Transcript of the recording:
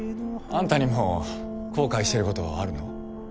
あんたにも後悔してることあるの？